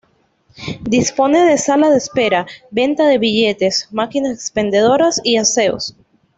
Dispone de sala de espera, venta de billetes, máquinas expendedoras y aseos.